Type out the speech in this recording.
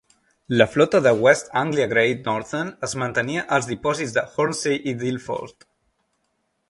La flota de West Anglia Great Northern es mantenia als dipòsits de Hornsey i d'Ilford.